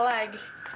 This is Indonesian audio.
tuh jadi jadi